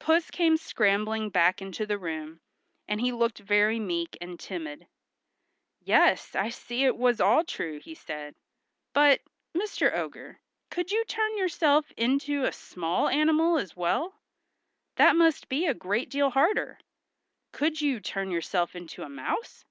Puss came scrambling back into the room, and he looked very meek and timid. "Yes, I see it was all true," he said. "But, Mr. Ogre, could you turn yourself into a small animal as well? That must be a great deal harder. Could you turn yourself into a mouse?"